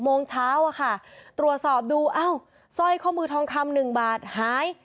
โมงเช้าอะค่ะตรวจสอบดูอ้าวสร้อยข้อมือทองคำหนึ่งบาทหาย